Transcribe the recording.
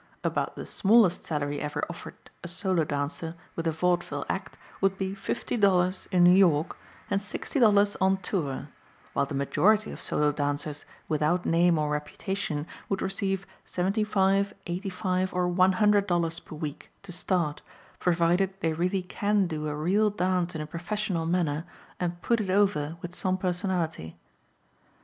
About the smallest salary ever offered a solo dancer with a vaudeville act would be $50.00 in New York and $60.00 on tour, while the majority of solo dancers without name or reputation would receive $75.00, $85.00 or $100.00 per week, to start, provided they really can do a real dance in a professional manner and "put it over" with some personality.